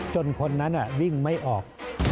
คนนั้นวิ่งไม่ออก